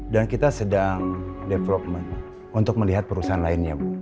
dan kita sedang development untuk melihat perusahaan lainnya bu